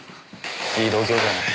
いい度胸じゃない。